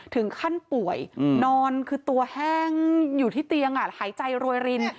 ถึงขั้นป่วยนอนคือตัวแห้งอยู่ที่เตียงหายใจรวยริน